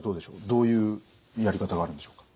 どういうやり方があるんでしょうか？